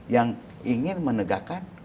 yang ingin menegakkan